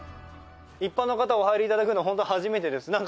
一般の方お入りいただくのホント初めてです。